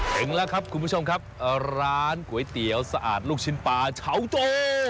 ถึงแล้วครับคุณผู้ชมครับร้านก๋วยเตี๋ยวสะอาดลูกชิ้นปลาเฉาโจ